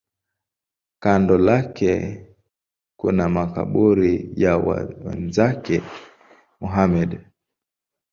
Kando lake kuna makaburi ya wenzake Muhammad.